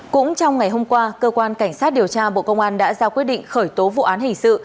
cũng trong ngày hôm qua cơ quan cảnh sát điều tra bộ công an đã ra quyết định khởi tố vụ án hình sự